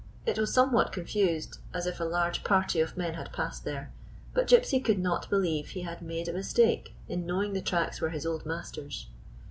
It was some what confused, as if a large party of men had passed there; but Gypsy could not believe he had made a mistake in knowing the tracks were his old master's.